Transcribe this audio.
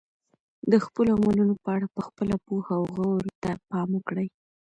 د خپلو عملونو په اړه په خپله پوهه او غورو ته پام وکړئ.